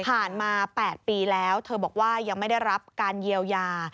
ผ่านมา๘ปีแล้วเธอบอกว่ายังไม่ได้รับการเยียวยา